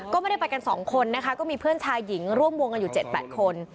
ก็ไม่ได้ไปกัน๒คนนะคะก็มีเพื่อนชายหญิงร่วมวงกันอยู่๗๘คน